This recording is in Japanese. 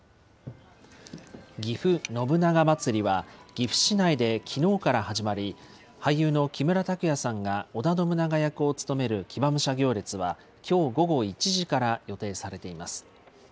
ぎふ信長まつりは岐阜市内できのうから始まり、俳優の木村拓哉さんが織田信長役を務める騎馬武者行列は、きょう午後１時から予定されています。